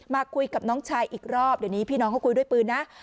มาคุยกับน้องชายอีกรอบเดี๋ยวนี้พี่น้องเขาคุยด้วยปืนนะ